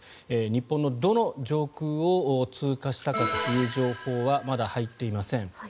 日本のどの上空を通過したかという情報はまだ入っていません。